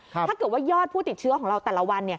ถ้าเกิดว่ายอดผู้ติดเชื้อของเราแต่ละวัน